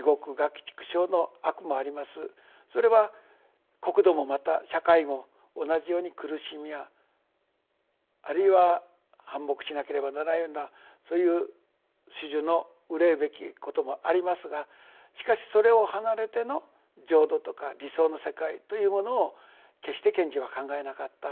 それは国土もまた社会も同じように苦しみやあるいは反目しなければならないようなそういう種々の憂いべきこともありますがしかしそれを離れての浄土とか理想の世界というものを決して賢治は考えなかったと。